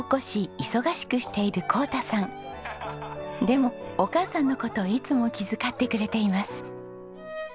でもお母さんの事をいつも気遣ってくれています。